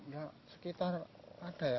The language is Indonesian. ya sekitar ada ya